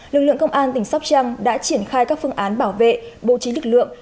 lực lượng công an tỉnh sóc trăng đã triển khai các phương án bảo vệ bố trí lực lượng